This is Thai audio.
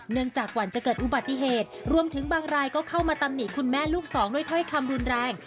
จากหวั่นจะเกิดอุบัติเหตุรวมถึงบางรายก็เข้ามาตำหนิคุณแม่ลูกสองด้วยถ้อยคำรุนแรง